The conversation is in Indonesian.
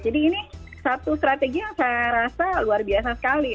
jadi ini satu strategi yang saya rasa luar biasa sekali